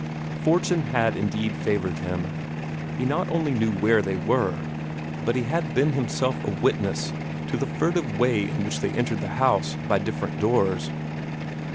Fortune had indeed favored him. He not only knew where they were, but he had been himself a witness to the furtive way in which they entered the house by different doors.